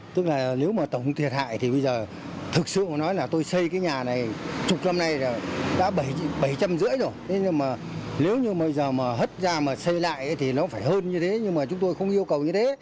tức là nếu mà tổng thiệt hại thì bây giờ thực sự nói là tôi xây cái nhà này chục năm nay là đã bảy trăm linh rưỡi rồi thế nhưng mà nếu như bây giờ mà hất ra mà xây lại thì nó phải hơn như thế nhưng mà chúng tôi không yêu cầu như thế